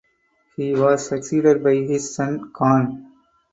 He was succeeded by his son Kang.